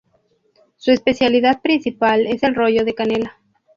Su especialidad principal es el rollo de canela.